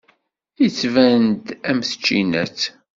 Yettban-d am tčinat.